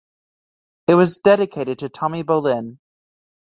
It was dedicated to Tommy Bolin.